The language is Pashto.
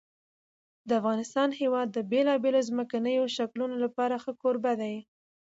د افغانستان هېواد د بېلابېلو ځمکنیو شکلونو لپاره ښه کوربه دی.